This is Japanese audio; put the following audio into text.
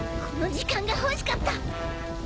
この時間が欲しかった。